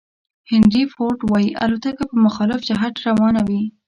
هینري فورد وایي الوتکه په مخالف جهت روانه وي.